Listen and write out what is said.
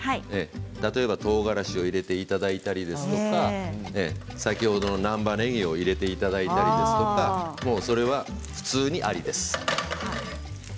例えば、とうがらしを入れていただいたり先ほどの難波ねぎを入れていただいたりもうそれは普通にありです。